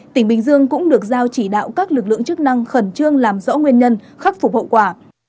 tỉnh bình dương cũng được giao chỉ đạo các lực lượng chức năng khẩn trương làm rõ nguyên nhân khắc phục hậu quả